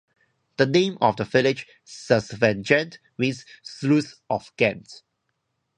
The name of the village, "Sas van Gent", means "sluice of Ghent".